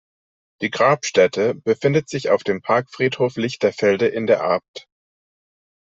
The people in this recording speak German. Die Grabstätte befindet sich auf dem Parkfriedhof Lichterfelde in der Abt.